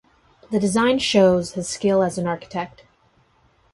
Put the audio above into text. The design shows his skill as an architect.